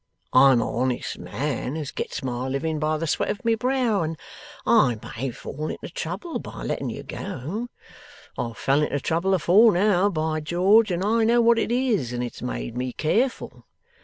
I'm a honest man as gets my living by the sweat of my brow, and I may fall into trouble by letting you go. I've fell into trouble afore now, by George, and I know what it is, and it's made me careful.